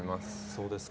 そうですか。